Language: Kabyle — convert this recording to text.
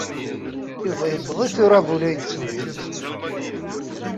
Yuba yewweḍ-it uṛabul ay d-turid.